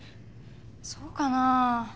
そうかな？